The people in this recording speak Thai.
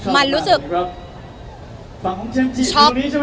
มันรู้สึก